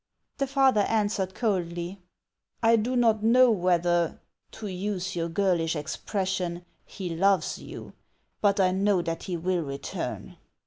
The father answered coldly :" I do not know whether, to use your girlish expression, he loves you ; but I know that he will return."